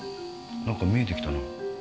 なんか見えてきたな。